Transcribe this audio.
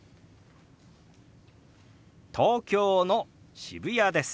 「東京の渋谷です」。